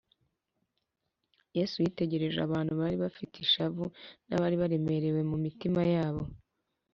yesu yitegereje abantu bari bafite ishavu n’abari baremerewe mu mitima yabo